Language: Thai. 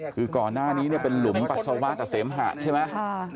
คือก่อนหน้านี้เนี่ยเป็นหลุมปัสสาวะกับเสมหะใช่ไหม